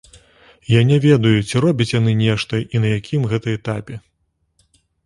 Я не ведаю, ці робяць яны нешта і на якім гэта этапе.